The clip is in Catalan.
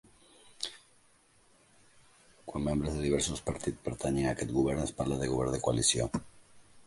Quan membres de diversos partits pertanyen a aquest govern, es parla de govern de coalició.